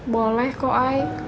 boleh kok ay